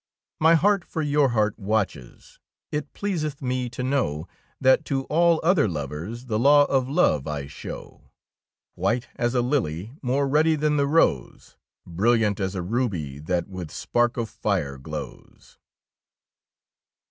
My heart for your heart watches ; it pleaseth me to know That to all other lovers the law of love I show. White as a lily, more ruddy than the rose, Brilliant as a ruby that with spark of fire glows.